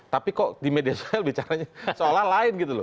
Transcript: tapi kok di media sosial bicaranya seolah lain gitu loh